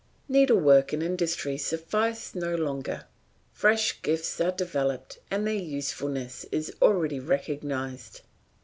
Needlework and industry suffice no longer, fresh gifts are developing and their usefulness is already recognised.